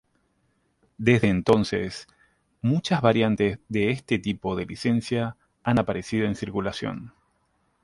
Desde entonces, muchas variantes de este tipo de licencia han aparecido en circulación.